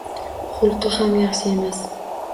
Xulqi ham yaxshi emas.